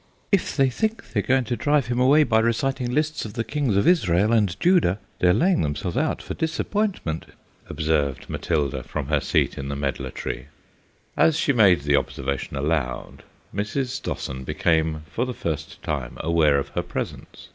"If they think they're going to drive him away by reciting lists of the kings of Israel and Judah they're laying themselves out for disappointment," observed Matilda from her seat in the medlar tree. As she made the observation aloud Mrs. Stossen became for the first time aware of her presence.